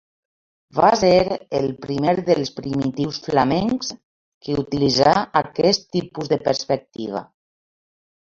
Va ser el primer dels primitius flamencs que utilitzà aquest tipus de perspectiva.